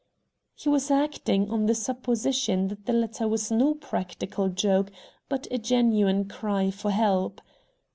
He was acting on the supposition that the letter was no practical joke, but a genuine cry for help.